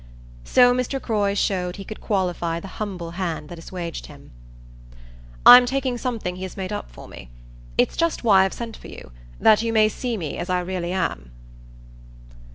So Mr. Croy showed he could qualify the humble hand that assuaged him. "I'm taking something he has made up for me. It's just why I've sent for you that you may see me as I really am."